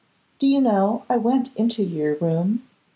Do you know, I went into your room?